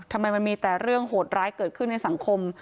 ทำไมมันมีแต่เรื่องโหดร้ายเกิดขึ้นในสังคม